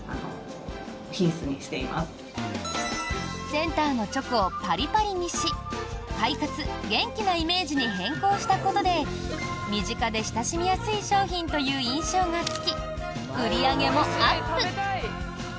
センターのチョコをパリパリにし快活・元気なイメージに変更したことで身近で親しみやすい商品という印象がつき、売り上げもアップ！